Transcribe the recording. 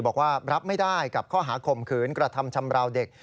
บอกว่ารับไม่ได้กับข้อหาข่มขืนกระทำชำราวเด็ก